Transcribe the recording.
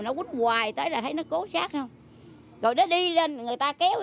nó quýnh hoài